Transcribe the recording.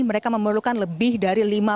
mereka memerlukan lebih dari